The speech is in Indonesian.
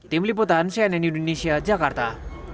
tim liputan cnn indonesia jakarta